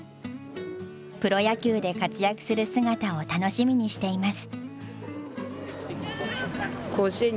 「プロ野球で活躍する姿を楽しみにしています」。